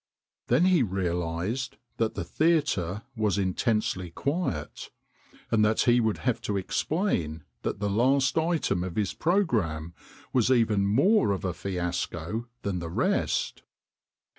Then he realised that the theatre was intensely quiet, and that he would have to explain that the last item of his pro gramme was even more of a fiasco than the rest.